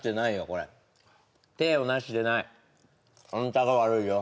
これ体をなしてないあんたが悪いよ